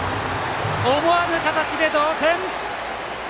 思わぬ形で同点！